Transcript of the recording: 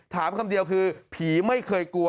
คำเดียวคือผีไม่เคยกลัว